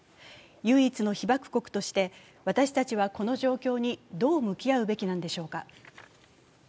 唯一の被爆国として私たちはこの状況にどう向き合うべきなのでしょうか。